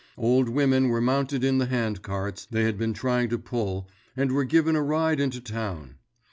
Old women were mounted in the handcarts they had been trying to pull and were given a ride into town.